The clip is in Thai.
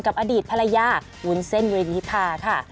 กับอดีตภรรยาวุ้นเซ่นอยู่ในนี้ค่ะ